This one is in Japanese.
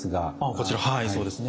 こちらはいそうですね。